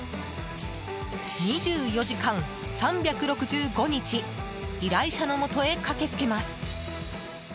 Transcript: ２４時間３６５日依頼者のもとへ駆けつけます。